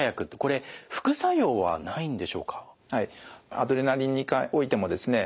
アドレナリンにおいてもですね